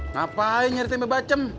ngapain nyari tempe bacem